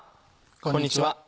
こんにちは。